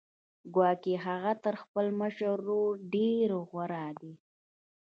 ګواکې هغه تر خپل مشر ورور ډېر غوره دی